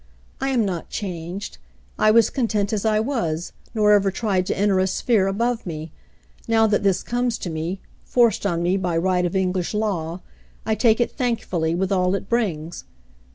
I am not changed. I was content as I was, nor ever tried to enter a sphere above me. Now that this comes to me — forced on me by right of English law — I take it thankfully, with all it brings.